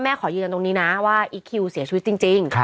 ขอยืนยันตรงนี้นะว่าอีคคิวเสียชีวิตจริง